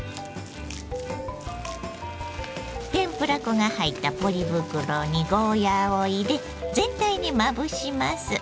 天ぷら粉が入ったポリ袋にゴーヤーを入れ全体にまぶします。